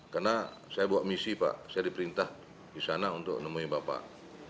karena saya buat misi pak saya diperintah di sana untuk nemuin bapak